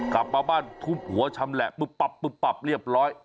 กลับมาบ้านทุบหัวชำแหละปุ๊บปับปุ๊บปับเรียบร้อย